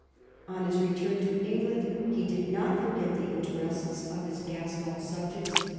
On his return to England he did not forget the interests of his Gascon subjects.